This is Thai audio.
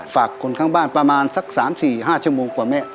ฝากคนข้างบ้านประมาณสัก๓๔๕ชั่วโมงกว่าแม่